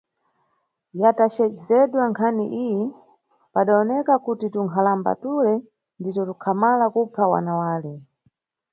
Yatajedzedwa nkhaniyi, padawoneka kuti tunkhalamba tule ndito tukhamala kupha wana wale.